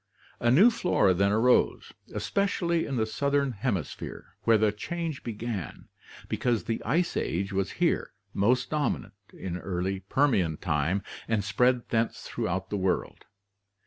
A new flora then arose, especially in the southern hemisphere where the change began, because the ice age was here most dominant in early Permian time and spread thence throughout the world.